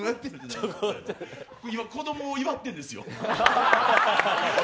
今、子供を祝ってんですよ。